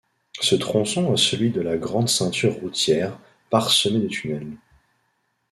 Ce tronçon à celui de la Grande Ceinture routière parsemés de tunnels.